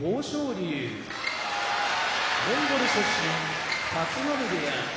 龍モンゴル出身立浪部屋